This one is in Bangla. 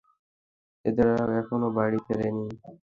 দ্বেরকা এখনও বাড়ি ফেরেনি।